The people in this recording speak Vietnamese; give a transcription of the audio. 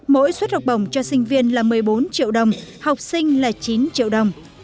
mỗi xuất học bồng cho sinh viên là một mươi bốn triệu đồng học sinh là chín triệu đồng